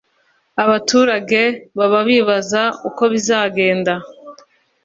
Abaturage baba bibaza ukobizagenda.